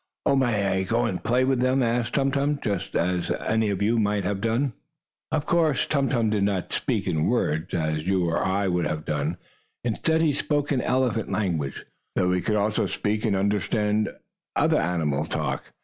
"Oh, may I go and play with them?" asked Tum Tum, just as any of you might have done. Of course Tum Tum did not speak in words, as you or I would have done. Instead he spoke in elephant language, though he could also speak and understand other animal talk.